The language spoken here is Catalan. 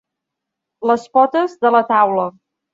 Les potes de la taula.